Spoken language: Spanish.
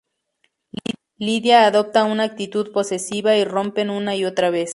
Lidia adopta una actitud posesiva y rompen una y otra vez.